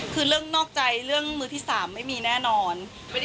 คือเรื่องนอกใจเรื่องมือที่๓ไม่มีแน่นอน